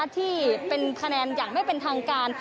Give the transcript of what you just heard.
ที่เป็นคะแนนอย่างไม่เป็นทางการ